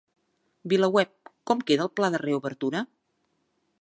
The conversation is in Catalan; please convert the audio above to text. VilaWeb: Com queda el pla de reobertura?